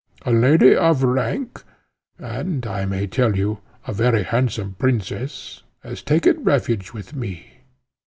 A lady of rank, and I may tell you, a very handsome princess, has taken refuge with me.